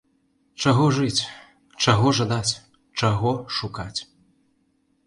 Чаго жыць, чаго жадаць, чаго шукаць?